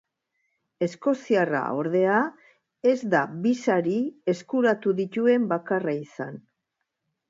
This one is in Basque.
Eskoziarra, ordea, ez da bi sari eskuratu dituen bakarra izan.